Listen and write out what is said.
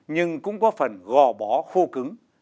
nhưng cũng có phần gò bó khô cứng